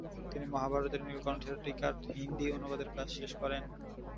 তিনি মহাভারতের নীলকণ্ঠের টীকার হিন্দি অনুবাদের কাজ শেষ করেন ।